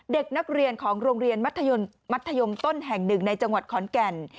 เด็กนักเรียนของโรงเรียนมัธยมัธยมต้นแห่งหนึ่งในจังหวัดขอนแก่น